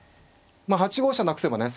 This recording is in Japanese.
まあ８五飛車なくせばね